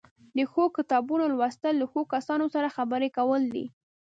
د ښو کتابونو لوستل له ښو کسانو سره خبرې کول دي.